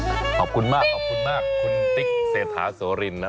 โอ้โฮขอบคุณมากขอบคุณมากคุณติ๊กเศรษฐาสวรินทร์นะ